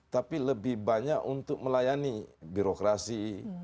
tapi lebih banyak untuk melayani birokrasi